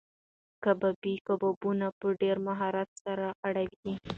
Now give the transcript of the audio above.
کبابي کبابونه په ډېر مهارت سره اړوي.